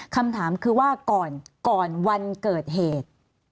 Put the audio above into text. คำถามคือว่าก่อนวันเกิดเหตุ